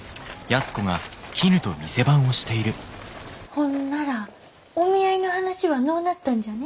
ほんならお見合いの話はのうなったんじゃね？